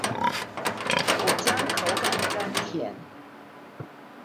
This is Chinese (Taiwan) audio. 果漿口感甘甜